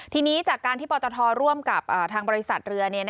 ทีนี้จากการที่ปตทร่วมกับทางบริษัทเรือ